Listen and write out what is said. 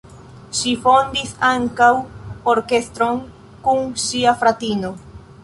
Ŝi fondis ankaŭ orkestron kun ŝia fratino.